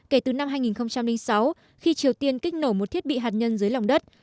kể từ năm hai nghìn sáu khi triều tiên kích nổ một thiết bị hạt nhân dưới lòng đất